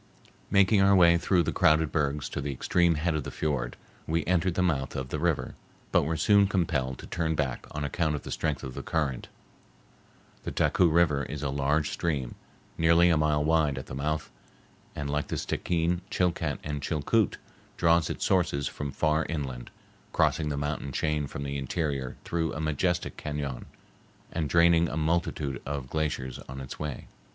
Making our way through the crowded bergs to the extreme head of the fiord, we entered the mouth of the river, but were soon compelled to turn back on account of the strength of the current. The Taku River is a large stream, nearly a mile wide at the mouth, and, like the Stickeen, Chilcat, and Chilcoot, draws its sources from far inland, crossing the mountain chain from the interior through a majestic cañon, and draining a multitude of glaciers on its way.